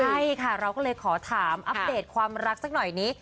ใช่ค่ะเราก็เลยขอถามอัปเดตความรักสักหน่อยนี้